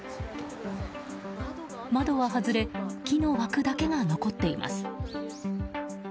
窓は外れ木の枠だけが残っています。